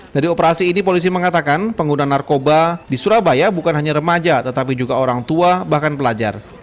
dari operasi ini polisi mengatakan pengguna narkoba di surabaya bukan hanya remaja tetapi juga orang tua bahkan pelajar